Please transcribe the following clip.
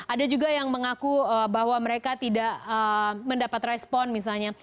ada juga yang mengaku bahwa mereka tidak mendapat respon misalnya